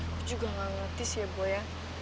aku juga gak ngerti sih ya boy